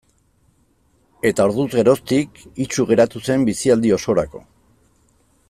Eta orduz geroztik itsu geratu zen bizialdi osorako.